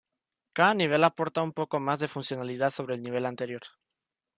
Cada nivel aporta un poco más de funcionalidad sobre el nivel anterior.